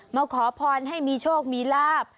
มาขอพรให้มีโชคมีลาบ